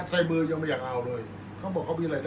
อันไหนที่มันไม่จริงแล้วอาจารย์อยากพูด